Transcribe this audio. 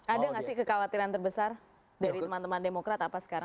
ada nggak sih kekhawatiran terbesar dari teman teman demokrat apa sekarang